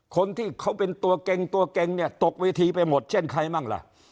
คนที่เขาเป็นตัวเก่งตัวเก่งเนี่ยตกเวทีไปหมดเช่นใครมั่งล่ะ